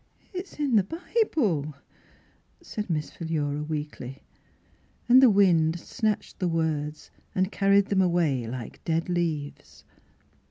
" It's in the Bible," said Miss Philura weakly, and the wind snatched the words and carried them away like dead leaves.